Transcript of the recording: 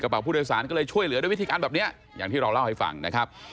ผู้โดยสารก็เลยช่วยเหลือด้วยวิธีการแบบเนี้ยอย่างที่เราเล่าให้ฟังนะครับ